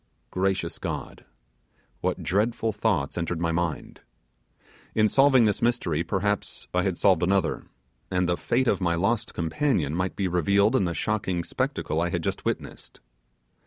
Gracious God! what dreadful thoughts entered my head; in solving this mystery perhaps I had solved another, and the fate of my lost companion might be revealed in the shocking spectacle I had just witnessed.